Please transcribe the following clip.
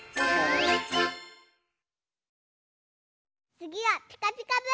つぎは「ピカピカブ！」。